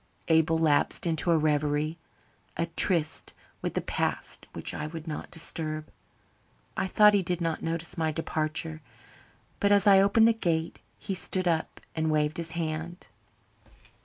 Abel lapsed into a reverie a tryst with the past which I would not disturb. I thought he did not notice my departure, but as I opened the gate he stood up and waved his hand.